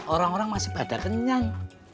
orang orang masih pada kenyang